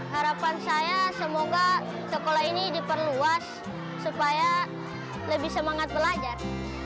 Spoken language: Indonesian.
harapan saya semoga sekolah ini diperluas supaya lebih semangat belajar